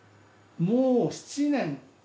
もう７年。